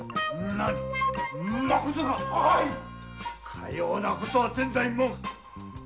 かようなことは前代未聞。